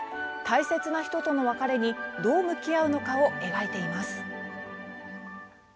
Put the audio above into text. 大切な人との別れにどう向き合うのかを描いています。